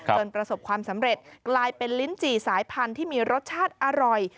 ประสบความสำเร็จกลายเป็นลิ้นจี่สายพันธุ์ที่มีรสชาติอร่อย